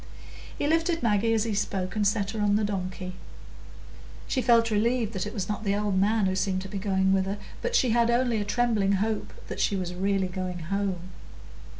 He lifted Maggie as he spoke, and set her on the donkey. She felt relieved that it was not the old man who seemed to be going with her, but she had only a trembling hope that she was really going home.